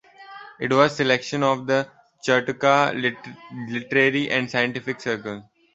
It was a selection of the Chautauqua Literary and Scientific Circle.